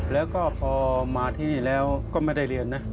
แล้วก็พอมาที่นี่แล้วก็ไม่ได้เรียนนะ